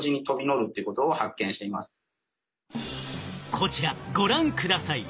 こちらご覧下さい。